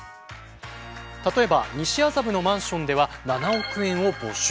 例えば西麻布のマンションでは７億円を募集。